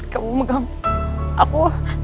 kamu megang aku